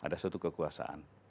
ada suatu kekuasaan